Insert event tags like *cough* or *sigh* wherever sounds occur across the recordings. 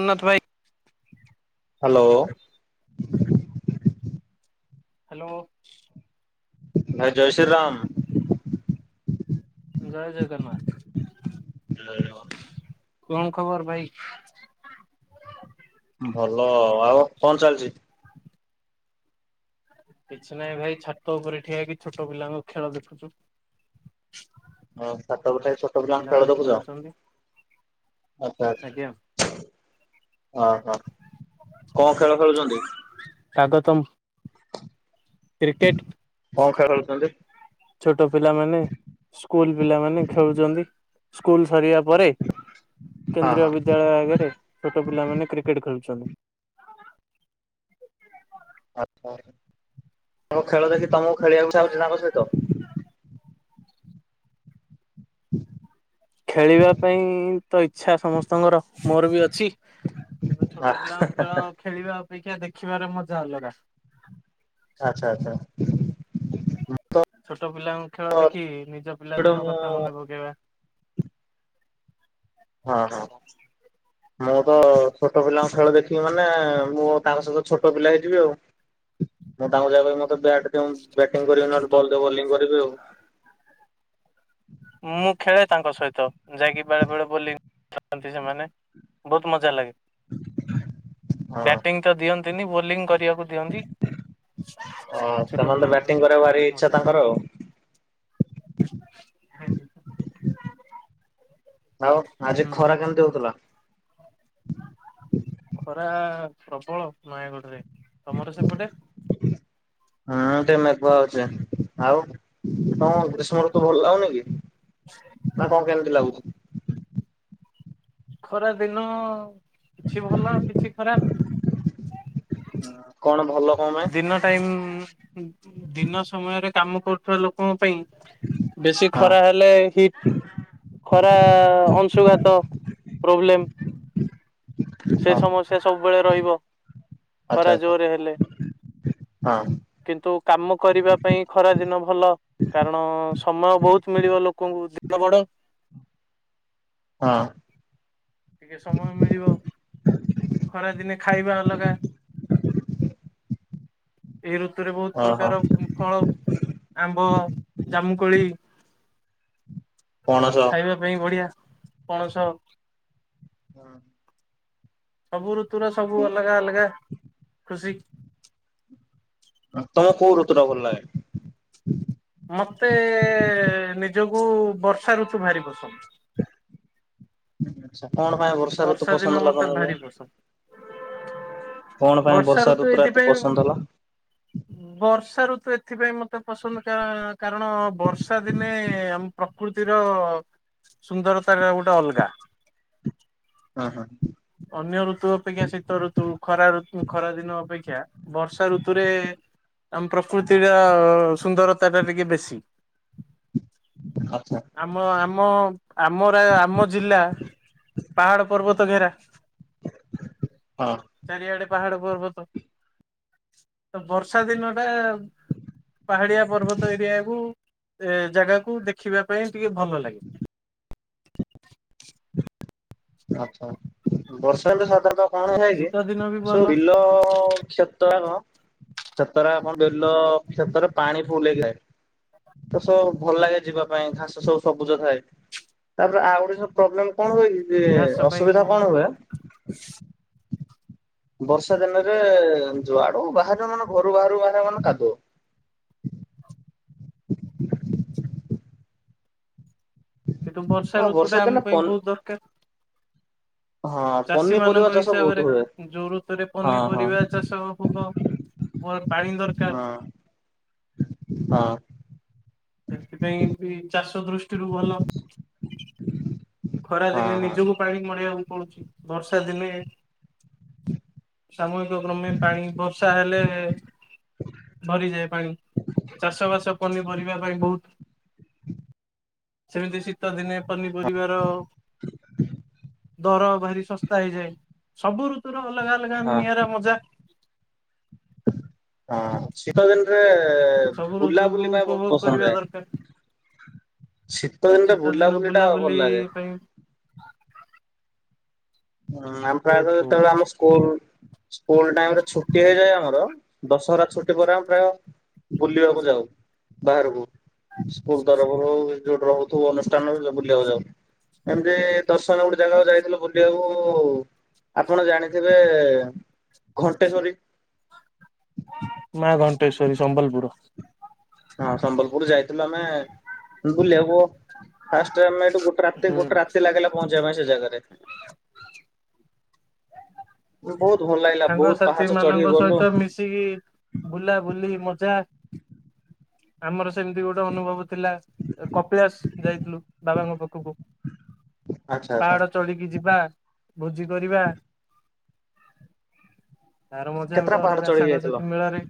ଅନ୍ନତ ଭାଇ hello. Hello. ଭାଇ ଜୟ ଶ୍ରୀରାମ। ଜୟ ଜଗନ୍ନାଥ। ଜୟ ଜଗନା କଣ ଖବର ଭାଇ? ଭଲ ଆଉ କଣ ଚାଲଚି? କିଛି ନାଇଁ ଭାଇ ଛାତ ଉପେରେ ଠିଆ ହେଇକି ଛୋଟ ପିଲାଙ୍କ ଖେଳ ଦେଖୁଚି। ଓ ଛାତ ଉପେରେ ଠିଆ ହେଇକି ଛୋଟ ପିଲାଙ୍କ ଖେଳ ପିଲାମାନେ ଦେଖୁଚ ଖେଳୁଛନ୍ତି। ଆଚ୍ଛା ଆଜ୍ଞା ଆଚ୍ଛା। ଓ ହୋ କଁ ଖେଳ ଖେଳୁଚନ୍ତି? ତାଙ୍କ ତମ୍ କ୍ରିକେଟ୍। କଁ ଖେଳ ଖେଳୁଛନ୍ତି? ଛୋଟ ପିଲାମାନେ ସ୍କୁଲ ପିଲାମାନେ ଖେଳୁଚନ୍ତି ସ୍କୁଲ ସରିବା ପରେ ହଁ କେନ୍ଦ୍ରୀୟ ହଁ ବିଦ୍ୟାଳୟ ଆଗେରେ ଛୋଟ ପିଲାମାନେ କ୍ରିକେଟ ଖେଳୁଛନ୍ତି। ଆଚ୍ଛା ତାଙ୍କ ଖେଳ ଦେଖି ତମୁକୁ ଖେଳିଆକୁ ଇଛା ତାଙ୍କ ସହିତ। ହଁ ଖେଳିବା ପାଇଁ ତ ଇଛା ସମସ୍ତଙ୍କର ମୋର ବି ଅଛି। କିନ୍ତୁ ଛୋଟ ପିଲାଙ୍କ ଖେଳ ଖେଳିବା ଅପେକ୍ଷା ଦେଖିବାରେ ମଜା ଅଲଗା। ଆଚ୍ଛା ଆଚ୍ଛା ଉଁ ଛୋଟ ପିଲାଙ୍କ ଖେଳ ଦେଖି ନିଜ ପିଲା ଦିନ ମୁଁ କଥା ମନେ ପକେଇବା। ହଁ ହଁ। ମୁଁ ତ ଛୋଟ ପିଲାଙ୍କ ଖେଳ ଦେଖିବି ମାନେ ମୁଁ ତାଙ୍କ ସହିତ ଛୋଟ ପିଲା ହେଇଯିବି ଆଉ। ମୁଁ ତାଙ୍କୁ ଯାଇ କହିବି ମତେ ବ୍ୟାଟ ଦିଅ ମୁଁ ବ୍ୟାଟିଂ କରିବି ନହେଲେ ତ ବଲ୍ ଦିଅ ବୋଲିଂ କରିବି ଆଉ। ମୁଁ ଖେଳେ ତାଙ୍କ ସହିତ ଯାଇକି ବେଳେ ବେଳେ ବୋଲିଂ ଖେଳନ୍ତି ସେମାନେ। ବୋହୁତ ମଜା ଲାଗେ। ଆଉ। ବ୍ୟାଟିଂ ତ ଦିଅନ୍ତିନି ବୋଲିଂ କରିଆକୁ ଦିଅନ୍ତି। ଆ ଅଁ ଛୋଟ ସେମାନେ ତ ପିଲାଙ୍କ ସହିତ ବ୍ୟାଟିଂ କରିଆକୁ ଖେଳିବା ଭାରି ପାଇଁ ଇଚ୍ଛା ମଜା ଲାଗେ। ତାଙ୍କର ଆଉ। *unintelligible* ଆଉ ଆଜି ହୁଁ ଖରା କେମିତି ହଉଥିଲା। ଖରା ପ୍ରବଳ ନୟାଗଡରେ ତମର ସେପଟେ। ହୁଁ ଟିକେ ମେଘୁଆ ହଉଛି ଆଉ। ତୁ ଭଲ ଲାଗୁନି କି ନା କଁ କେମିତି ଲାଗୁଛି। ଖରା ଦିନ କିଛି ଭଲ କିଛି ଖରାପ। ହଁ କଣ ଭଲ କଁ ପାଇଁ। ଟାଇମ୍ ଉଁ ଦିନ ସମୟରେ କାମ କରୁଥିବା ଲୋକଙ୍କ ପାଇଁ। ବେଶୀ ହଁ ଖରା ହେଲେ ହିଟ ଖରା ଅଂଶୁଘାତ। ପ୍ରୋବ୍ଲେମ୍ ସେ ହଁ ସମସ୍ୟା ସବୁବେଳେ ରହିବ। ଆଚ୍ଛା ଖରା ଆଚ୍ଛା ଜୋରେ ହେଲେ। ହଁ କିନ୍ତୁ କାମ କରିବା ପାଇଁ ଖରା ଦିନ ଭଲ। କାରଣ ସମୟ ବହୁତ ମିଳିବ ଲୋକଙ୍କୁ ଦିନ ବଡ। ହଁ। ଟିକେ ସମୟ ମିଳିବ ଖରାଦିନେ ଖାଇବା ଅଲଗା। ଏହି ଋତୁରେ ବହୁତ ଓହୋ ପ୍ରକାର ଉଁ ଫଳ। ଆମ୍ବ, ଜାମୁକୋଳି ପଣସ ଖାଇବା। ପାଇଁ ବଢିଆ ପଣସ। ହଁ। ସବୁ ଋତୁର ସବୁ ଅଲଗା ଅଲଗା ଖୁସି। ହଁ ତାହେଲେ କୋଉ ଋତୁ ଟା ଭଲଲାଗେ। ମତେ ନିଜକୁ ବର୍ଷା ଋତୁ ଭାରି ପସନ୍ଦ। ଆଛା କଣ ପାଇଁ ବର୍ ବର୍ଷା ଦିନ ମତେ ଭାରି କଣ ପସନ୍ଦ। ପାଇଁ ବର୍ଷା ଋତୁ ଟା ଏତେ ଏଇଥିପାଇଁ ଉଁ। ପସନ୍ଦ ହେଲା? ବର୍ଷା ଋତୁ ଏଥିପାଇଁ ମତେ ପସନ୍ଦ କା କାରଣ ବର୍ଷା ଦିନେ ଆମ। ପ୍ରକୃତିର ସୁନ୍ଦରତା ଟା ଗୋଟେ ଅଲଗା। ଅ ହଁ। ଅନ୍ୟ ଋତୁ ଅପେକ୍ଷା ଶୀତ ଋତୁ ଖରା ଋ ଖରା ଦିନ ଅପେକ୍ଷା। ବର୍ଷା ଋତୁରେ ଆମ ପ୍ରକୃତିର ସୁନ୍ଦରତା ଟା ଟିକେ ବେଶୀ। ଆଚ୍ଛା ଆମ ଆମ ଆମ ରା ଆମ ଜିଲ୍ଲା ପାହାଡ଼ ପର୍ବତ ଘେରା। ହଁ। ଚାରିଆଡେ ପାହାଡ ପର୍ବତ। ତ ବର୍ଷା ଦିନ ଟା ପାହାଡିଆ ପର୍ବତ ଏରିଆକୁ। ଏ ଜାଗାକୁ ଦେଖିବା ପାଇଁ ଟିକେ ଭଲ ଲାଗେ। ଆଚ୍ଛା ବର୍ଷା ହେଲେ ସାଧାରଣତଃ କଣ ହୁଏ କି ଶୀତ ଦିନ ବି ଭଲ ସବୁ ବିଲ କ୍ଷେ କ୍ଷେତ ରାକ କ୍ଷେତ ରେ ଆମର ବିଲ ସେଥରେ ପାଣି ଫୁଲ୍ ହେଇକି ଥାଏ। ତ ସବୁ ଭଲ ଲାଗେ ଯିବା ପାଇଁ ଘାସ ସବୁ ସବୁଜ ଥାଏ। ତାପରେ ଆଉ ଗୋଟେ ସବୁ ପ୍ରୋବ୍ଲେମ କଣ ହୁଏ କି ଯେ ଘାସ ପାଇଁ ଅସୁବିଧା କଣ ହୁଏ। ବର୍ଷା ଦିନରେ ଯୁଆଡକୁ ବାହାରିବ ମାନେ ଘରୁ ବାହାରକୁ ବାହାରିବ ମାନେ କାଦୁଅ। କିନ୍ତୁ ବର୍ଷା ହଁ ଋତୁ ଟା ଦିନେ ଆମ ପାଇଁ ପନି ବହୁତ ଦରକାର। ହଁ ଚାଷି ପନିପରିବା ମାନଙ୍କ ଚାଷ ବହୁତ ହିସାବରେ ହୁଏ। ଯୋଉ ଋତୁରେ ହଁ ହଁ ପନିପରିବା। ଚାଷ ହବ ବ ପ ପାଣି ଦରକାର। ହଁ ହଁ। ସେଥିପାଇଁ ଏମିତି ବି ଚାଷ ଦୃଷ୍ଟିରୁ ଭଲ, ହଁ ଖରାଦିନେ ହଁ ନିଜକୁ ପାଣି ମଡେଇଵାକୁ ପଡୁଛି, ବର୍ଷା ଦିନେ ସାମୁହିକ କ୍ରମେ ପାଣି ବର୍ଷା ହେଲେ ଭରିଯାଏ ପାଣି, ଚାଷ ବାସ ପନିପରିବା ପାଇଁ ବହୁତ ସେମିତି ଶୀତ ଦିନେ ପନିପରିବାର ର ଦର ଭାରି ଶସ୍ତା ହେଇଯାଏ, ସବୁ ଋତୁୁର ଅଲଗା ଅଲଗା ନିଆଁରା ମଜା। ଆଁ ଶୀତ ଦିନରେ, ସବୁ ଋତୁକୁ ବୁଲାବୁଲିି ପାଇଁ ବହୁତ ଉପଭୋଗ ପସନ୍ଦ କରିବା ଦରକାର। ଲାଗେ। ଶୀତ ଦିନରେ ବୁଲା ଦିନ ବୁଲି ଟା ବୁଲାବୁଲି ଭଲ ଲାଗେ। ପାଇଁ ହୁଁ ଆମ ବହୁତ ପ୍ରାୟତଃ, ବହୁତ ଯେତେବେଳେ ଆମ ସ୍କୁଲ ସ୍କୁଲ ଟାଇମ ରେ ଛୁଟି ହେଇଯାଏ ଆମର, ଦଶହରା ଛୁଟି ପରେ ଆମ ପ୍ରାୟ ବୁଲିବାକୁ ଯାଉ, ବାହାରକୁ ସ୍କୁଲ ତରଫରୁ ହଉ ଯୋଉଠି ରହୁଥିବ ଅନୁଷ୍ଠାନ ବୁଲିବାକୁ ଯାଉ, ଏମିତି ଦଶହରାକୁ ଗୋଟେ ଜାଗାକୁ ଯାଇଥିଲୁ ବୁଲିବାକୁ ହଉ ହଉ ଆପଣ ଜାଣିଥିବେ ଘଣ୍ଟେଶ୍ଵରୀ? ମା ଘଣ୍ଟେଶ୍ୱରୀ ସମ୍ବଲପୁର। ହଁ ସମ୍ବଲପୁର ଯାଇଥିଲୁ ଆମେ ବୁଲିବାକୁ। ଫାଷ୍ଟ ରେ ଆମେ ଏଠୁ ଗୋଟେ ରାତି, ହୁଁ। ଗୋଟେ ରାତି ଲାଗିଲା ପହଞ୍ଚିବା ପାଇଁ ସେ ଜାଗାରେ। ବହୁତ୍ ଭଲ ଲାଗିଲା, ବହୁତ୍ ସାଙ୍ଗସାଥି ପାହାଚ୍ଚ ଚଢିକି ଗଲୁ। ମିଶିକି ବୁଲା ବୁଲି ମଜା ଆମର ସେମିତି ଗୋଟେ ଅନୁଭବ ଥିଲା କପିଳାସ ଯାଇଥିଲୁ ବାବାଙ୍କ ପାଖକୁ। ଆଚ୍ଛା ଆଚ୍ଛା। ପାହାଡ଼ ଚଳିକି ଯିବା, ଭୋଜି କରିବା ତାର ମଜା କେତେଟା ଗୋଟେ ପାହାଡ ଅଲଗା ଚଢିକି ଯାଇଥିଲ? ସାଙ୍ଗସାଥି ମିଳରେ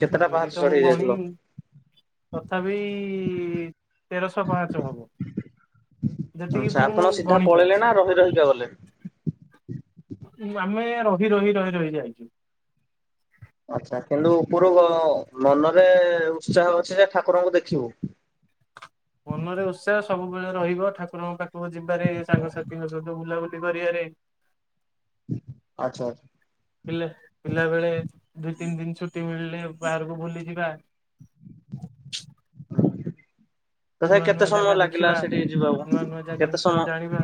କେତେଟା ପାହାଚ ସେତିକି ତ ମୁଁ ଚଢି ଯାଇଥିଲ? ଗଣିନି ତଥାପି, ତେରଶହ ପାଞ୍ଚ ହବ। ଯେତିକି ଆଚ୍ଛା ମୁଁ ଆପଣ ସିଧା ଗଣି ପଳେଇଲେ ନା ପାରିଛି। ରହି ରହିକା ଗଲେ? ଉଁ ଆମେ ରହି-ରହି-ରହି-ରହି ଯାଇଛୁ। ଆଚ୍ଛା କିନ୍ତୁ ଉପରୁ, ମନରେ ଉତ୍ସାହ ଅଛି ଯେ, ଠାକୁରଙ୍କୁ ଦେଖିବୁ। ମନରେ ଉତ୍ସାହ, ସବୁବେଳେ ରହିବ, ଠାକୁରଙ୍କ ପାଖକୁ ଯିବାରେ, ସାଙ୍ଗସାଥିୀଙ୍କ ସହିତ ବୁଲାବୁଲି କରିବାରେ। ହୁଁ ଆଚ୍ଛା, ଆଚ୍ଛା। ପିଲେ ପିଲା ବେଳେ, ଦୁଇ ତିନି ଦିନ ଛୁଟି ମିଳିଲେ, ବାହାରକୁ ବୁଲି ଯିବା। ତଥାପି ନୂଆ କେତେ ନୂଆ ସମୟ ଜାଗା ଲାଗିଲା, ଦେଖିବା ସେଠିକି ଯିବାକୁ? କେତେ ସମ ଜୀବା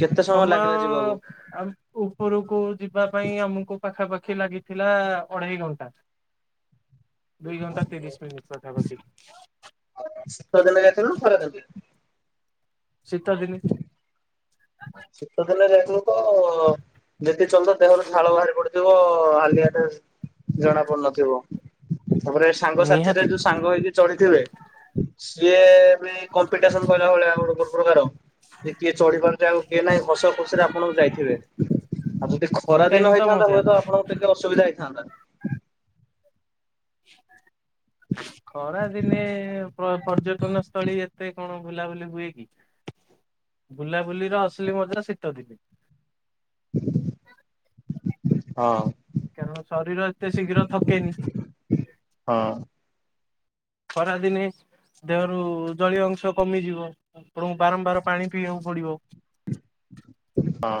କେତେ ସମୟ ଲାଗିଲା ଯିବାକୁ? ଆଉ ଉପରକୁ ଯିବା ପାଇଁ ଆମକୁ ପାଖାପାଖି ଲାଗିଥିଲା, ଅଢ଼େଇ ଘଣ୍ଟା। *inaudible* ଦୁଇ ଘଣ୍ଟା ତିରିଶ ମିନିଟ ପାଖାପାଖି। ସିତ ଦିନ ଯାଇଥିଲୁ ନା ଖରା ଦିନେ? ଶୀତ ଦିନୀ। ଶୀତ ଦିନେ ରେ ତୁ ତ, ଯେତିକି ଚାଲିଲୁ ଦେହରୁ ଝାଳ ବାହାରି ପଡ଼ିଥିବ। ଯୋଉ ହାଲିଆ ଟା, ଜଣା ପଡ଼ୁ ନଥିବ ତାପରେ ସାଙ୍ଗ ସାଥିରେ, ନିହାତି ଯୋଉ ସାଙ୍ଗ ହେଇକି ଚଳିଥିବେ, ସିଏ ମେଏ କମ୍ପିଟିସନ୍ କହିଲା ଭଳିଆ, ଆଉ ଯୋଉ ପ୍ରକାର, ଯେ କିଏ ଚଢି଼ ପାରୁଛି ଆଉ କିଏ ନାହିଁ ହସ ଖୁସିରେ ଆପଣ ଯାଇଥିବେ ଆଉ ଯଦି ଖରା ସେଇଟା ଦିନ ହିଁ ତ ହେଇଥାନ୍ତା ମଜା। ହୁଏତ ଆପଣ ଟିକେ ଅସୁବଧା ହେଇଥାନ୍ତା। *inaudible* ଖରାଦିନେ ପ୍ର ପର୍ଯ୍ୟଟନ ସ୍ଥଳୀ ଏତେ କଣ ବୁଲାବୁଲି ହୁଏ କି ବୁଲାବୁଲି ର ଅସଲି ମଜା ଶୀତ ଦିନେ। *inaudible* ହଁ। କାରଣ ଶରୀର ଏତେ ଶୀଘ୍ର ଥକେନି। ହଁ। ଖରାଦିନେ ଦେହରୁ ଜଳୀୟ ଅଂଶ କମିଯିବ ଆପଣଙ୍କୁ ବାରମ୍ବାର ପାଣି ପିଇବାକୁ ପଡ଼ିବ। ହଁ।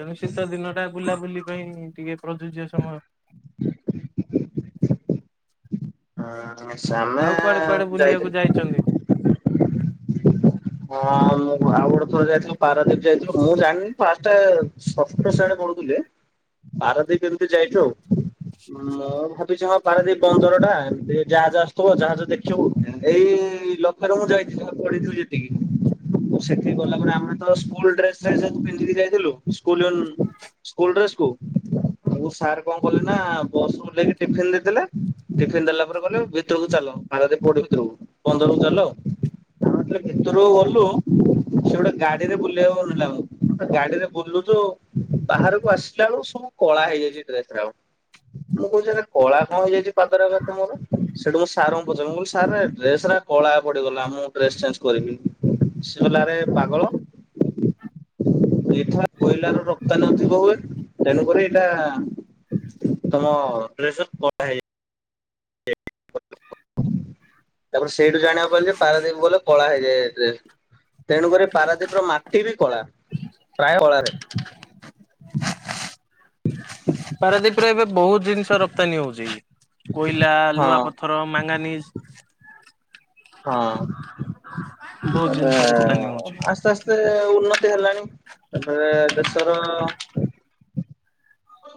ତେଣୁ ଶୀତ ଦିନ ଟା ବୁଲାବୁଲି ପାଇଁ ଟିକେ ପ୍ରଯୁଜ୍ୟ ସମୟ। *inaudible* ହଁବହଁ ସେ ଆମେ ଆଉ କୁଆଡେ କୁଆଡେ ବୁଲିବାକୁ ଯାଇଛନ୍ତି? ଯାଇଥିଲୁ *inaudible* ହଁ ମୁଁ ଆଉ ଗୋଟେ ଥର ଯାଇଥିଲି ପାରାଦ୍ୱୀପ ଯାଇଥିଲୁ ମୁଁ ଜାଣିନି ଫା ଷ୍ଟ ସପ୍ତ ସେଣୀ ପଢୁଥିଲି ପାରାଦୀପ ଏମିତି ଯାଇଚୁ ମୁଁ ଭାବିଛି ହଁ ପାରାଦୀପ ବନ୍ଦର ଟା। ଏମିତି ଜାହାଜ ଆସୂଥିବ ଜାହାଜ ଦେଖିବୁ ଏଇ ଲୋକ୍ଷରେ ମୁଁ ଯାଇଥିଲି ପଳେଇଥିଲି ସେଟିକି। ସେଠି ଗଲା ପରେ ଆମେ ତ ସ୍କୁଲ୍ ଡ୍ରେସ୍ ସେ ଯୋ ପିନ୍ଧିକି ଯାଇଥିଲୁ ସ୍କୁଲ୍ ୟୁନ୍ ସ୍କୁଲ ଡ୍ରେସ୍ କୁ ମୁ ସାର୍ କଣ କଲେ ନା ବସ୍ ରୁ ଓଲ୍ହେଇକି ଟିଫିନ୍ ଦେଇଦେଲେ ଟିଫିନ୍ ଦେଲା ପରେ କଲେ ଭିତରକୁ ଚାଲ ପାରାଦୀପ୍ ପୋଟ ଭିତରକୁ ବନ୍ଦରକୁ ଚାଲ। ଆମେ ସେ ଭିତୁରୁ ଗଲୁ ସେ ଗୋଟେ ଗାଡ଼ିରେ ବୁଲେଇବାକୁ ନେଲା ଆମୂକୁ ଗାଡ଼ିରେ ବୁଲୁଚୁ ବାହାରକୁ ଆସିଲା ବେଳକୁ ସବୁ କଳା ହେଇଯାଇଚି ଡ୍ରେସ୍ ଉରାକ। ମୁଁ କୋଉଚି ଏରା କଳା କଣ ହେଇଯାଇଚି ପା ପାଦ ରାକ ଏତେ ମୋର ସେଠୁ ମୁ ସାର୍ ଙ୍କୁ ପଚାରିଲି ମୁଁ କହିଲି ସାରେ ଡ୍ରେସ୍ ରା କଳା ପଡ଼ିଗଲା ମୁଁ ଡ୍ରେସ ଚେଞ୍ଜ୍ କରିବି। ସିଏ କଇଲେ ଆରେ ପାଗଳ *inaudible* ଏଠି ବା କୋଇଲାର ରପ୍ତାନୀଥିବ ହୁଏ ତେଣୁକରି ଏଇଟା ତମ ଡ୍ରେସ୍ କଳା ହେଇଯା *inaudible* ତାପରେ ସେଇଠୁ ଜାଣିବାକୁ ପାଇଲି ଯେ ପାରାଦ୍ୱୀପ ଗଲେ କଳା ହେଇଯାଏ ଏ ଡ୍ରେସ୍। ତେଣୁକରି ପାରାଦୀପୀ ର ମାଟି ବି କଳା ପ୍ରାୟ କଳା ରେ। ପାରାଦୀପରେ ଏବେ ବହୁତ ଜିନିଷ ରପ୍ତାନୀ ହୋଉଚି କୋଇଲା ହଁ ଲୁହା ପଥର ମାଙ୍ଗାନିଜ ହଁ ବହୁତ ଏରା ଜିନିଷ ରପ୍ତାନୀ ହଉଛି। ଆସ୍ ଆସ୍ ସ୍ତେ ଉନ୍ନତି ହେଲାଣି ତାପରେ ଦେଶର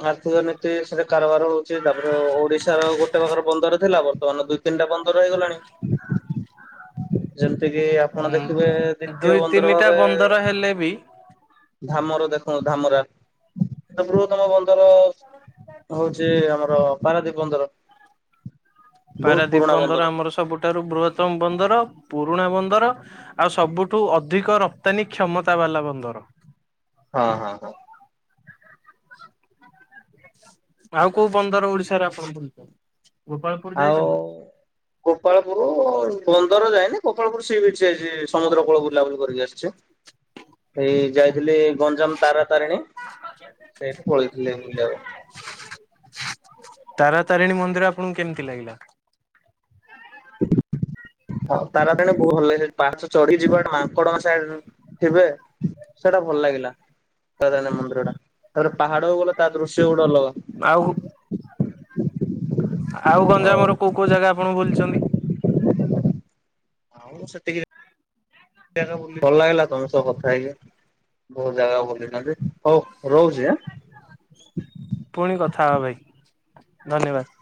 ଆର୍ଥିକ ନୀତି ସେ କାରବାର ହଉଛି ତାପରେ ଓ ଓଡିଶାର ଗୋ ଗୋଟେ ପାଖର ବନ୍ଦର ଥିଲା ବର୍ତ୍ତମାନ ଦୁଇ ତିନିଟା ବନ୍ଦର ହେଇଗଲାଣି ଯେମତିକି ଆ ଆପଣ ଦେଖିବେ ହୁଁ ଦ୍ୱିତୀୟ ଦୁଇ ବନ୍ଦର ତିନିଟା ଭାବେ ବନ୍ଦର ହେଲେ ବି ଧାମର ଦେଖନ୍ତୁ ଧାମରା ବୃହତମ ବନ୍ଦର ହୋଉଚି ଆମର ପାରାଦିପ୍ ବନ୍ଦର। ବହୁତ ପାରାଦୀପ ପୁରୁଣା ବନ୍ଦର ଆମର ସବୁଠାରୁ ବୃହତ୍ତମ ବନ୍ଦର ପୁରୁଣା ବନ୍ଦର। ଆଉ ସବୁଠୁ ଅଧିକ ରପ୍ତାନୀ କ୍ଷମତା ବାଲା ବନ୍ଦର। ହଁ ହଁ ହଁ। ଆଉ କୋଉ ବନ୍ଦର ଓଡିଶାରେ ଆପଣ ବୁଲିଚନ୍ତି। ଆଉ ଗୋପାଳପୁରୁ ବନ୍ଦର ଯାଇନେଇ ଗୋପାଳପୁରୁ ସି ବିଚ ଯାଇଚି ସମୁଦ୍ର କୂଳ ବୁଲାବୁଲି କରିକି ଆସିଚି। ଏଇ ଯାଇଥିଲି ଗଞ୍ଜାମ ତାରା ତାରିଣୀ। ସେଇଠି ପଳେଇଥିଲେ ବୁଲିବାକୁ। ତାରାତାରିଣୀ ମନ୍ଦିର ଆପଣଙ୍କୁ କେମିତି ଲାଗିଲା? ହଁ ତାରାତାରିଣୀ ବହୁତ୍ ଭଲ ଲାଗିଲା ସେଉଠୁ ପାହାଚ ଚଢିକି ଯିବାଟା ମାଙ୍କଡ଼ ମାନେ ସାଇଟିରେ ଥିବେ ସେଇଟା ଭଲ ଲାଗିଲା। *unintelligible* ମୁନ୍ଦିରିଟା ତାପରେ ପାହାଡ଼କୁ ଗଲେ ତାଦୃଶ୍ୟଟା ଗୋଟେ ଅଲଗା। ଆଉ ଆଉ ହଉ। ଗଞ୍ଜାମର କୋଉ କୋଉ ଜାଗା ଆପଣ ବୁଲିଚନ୍ତି? ଆଉ ସେତିକି ଭଲ ଲାଗିଲା ତମ ସହ କଥା ହେଇକି। ବହୁ ଜାଗା ବୁଲିନାହାନ୍ତି ହଉ ରହୁଚି ଆଁ। ପୁଣି କଥା ହବା ଭାଇ ଧନ୍ୟବାଦ।